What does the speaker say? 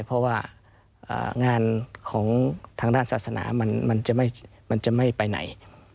เพราะว่างานของทางด้านศาสนามันจะไม่ไปไหน